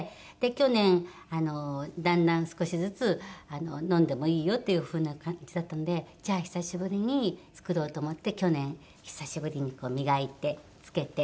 去年だんだん少しずつ飲んでもいいよっていう風な感じだったのでじゃあ久しぶりに作ろうと思って去年久しぶりに磨いて漬けて。